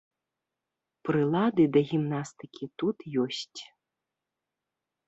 Прылады да гімнастыкі тут ёсць.